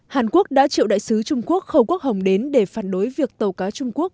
hàn quốc đã triệu đại sứ trung quốc khâu quốc hồng đến để phản đối việc tàu cá trung quốc